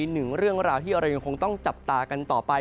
หนึ่งเรื่องราวที่เรายังคงต้องจับตากันต่อไป